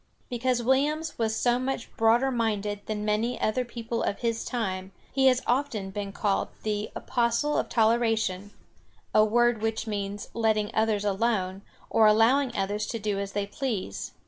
Because Williams was so much broader minded than many other people of his time, he has often been called the "Apostle of Toleration" a word which means letting others alone, or allowing others to do as they please.